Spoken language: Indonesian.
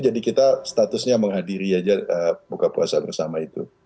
jadi kita statusnya menghadiri aja buka puasa bersama itu